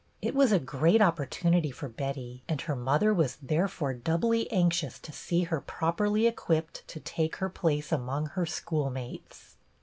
It was a great opportunity for Betty, and her mother was therefore doubly anxious to see her properly equipped to take her place among her schoolmates.